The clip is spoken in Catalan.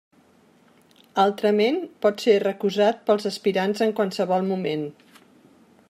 Altrament, pot ser recusat pels aspirants en qualsevol moment.